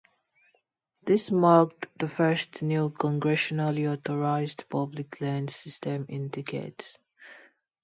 This marked the first new congressionally authorized public lands system in decades.